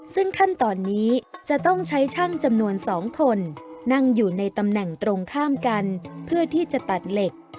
ซึ่งขั้นตอนนี้จะต้องใช้ช่างจำนวน๒คนนั่งอยู่ในตำแหน่งตรงข้ามกันเพื่อที่จะตัดเหล็ก